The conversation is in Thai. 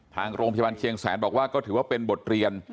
ทางโรงพยาบาลเชียงแสนบอกว่าก็ถือว่าเป็นบทเรียน